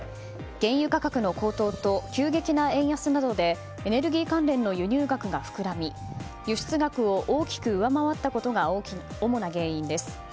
原油価格の高騰と急激な円安などでエネルギー関連の輸入額が膨らみ輸出額を大きく上回ったことが主な原因です。